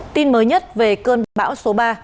tin mới nhất về cơn bão số ba